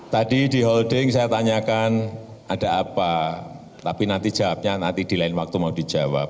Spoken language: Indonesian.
tadi di holding saya tanyakan ada apa tapi nanti jawabnya nanti di lain waktu mau dijawab